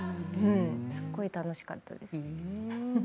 すごく楽しかったです。